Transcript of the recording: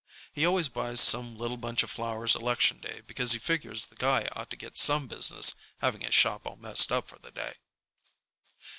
He always buys some little bunch of flowers Election Day because he figures the guy ought to get some business having his shop all messed up for the day.